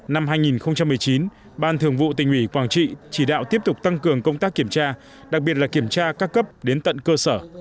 năm hai nghìn một mươi chín ban thường vụ tỉnh ủy quảng trị chỉ đạo tiếp tục tăng cường công tác kiểm tra đặc biệt là kiểm tra các cấp đến tận cơ sở